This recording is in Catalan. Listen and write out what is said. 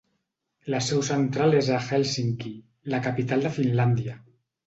La seu central és a Hèlsinki, la capital de Finlàndia.